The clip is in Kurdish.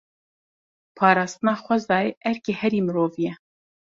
Parastina xwezayê erkê her mirovî ye.